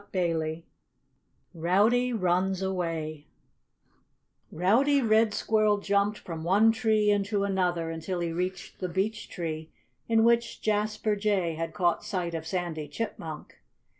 XVI ROWDY RUNS AWAY Rowdy Red Squirrel jumped from one tree into another until he reached the beech tree in which Jasper Jay had caught sight of Sandy Chipmunk.